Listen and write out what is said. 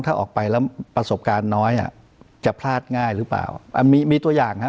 ถ้าออกไปแล้วประสบการณ์น้อยอ่ะจะพลาดง่ายหรือเปล่าอ่ามีมีตัวอย่างฮะ